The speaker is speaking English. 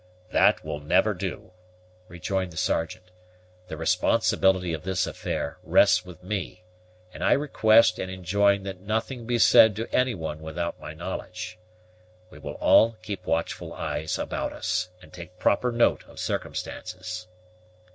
"That will never do," rejoined the Sergeant. "The responsibility of this affair rests with me, and I request and enjoin that nothing be said to any one without my knowledge. We will all keep watchful eyes about us, and take proper note of circumstances."